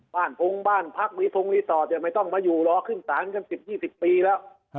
บ้านพุงบ้านพักหรือพุงลิสอร์ตยังไม่ต้องมาอยู่รอขึ้น๓๐๒๐ปีแล้ว